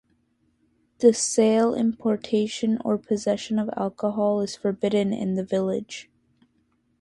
The sale, importation or possession of alcohol is forbidden in the village.